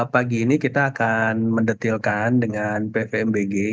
pagi ini kita akan mendetailkan dengan pvmbg